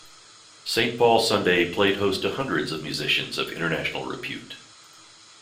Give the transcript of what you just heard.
"Saint Paul Sunday" played host to hundreds of musicians of international repute.